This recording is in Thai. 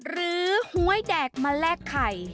หรือหวยแดกมาแลกไข่